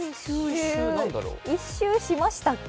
何か一周しましたっけ？